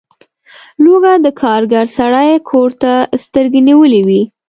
لوږه د کارګر سړي کور ته سترګې نیولي وي.